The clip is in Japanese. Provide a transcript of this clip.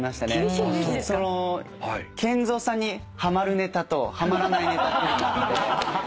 ＫＥＮＺＯさんにハマるネタとハマらないネタっていうのがあって。